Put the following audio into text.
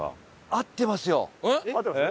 合ってますよ！